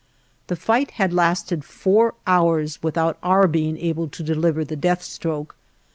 The fight had lasted four hours without our being able to deliver the death stroke.